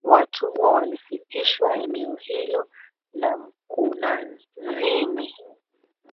Watumwa walifikishwa eneo hilo la mkunazini